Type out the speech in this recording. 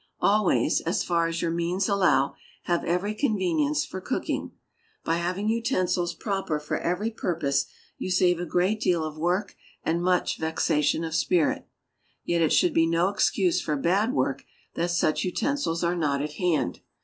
Always, as far as your means allow, have every convenience for cooking. By having utensils proper for every purpose you save a great deal of work and much vexation of spirit. Yet it should be no excuse for bad work that such utensils are not at hand.